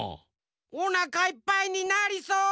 おなかいっぱいになりそう。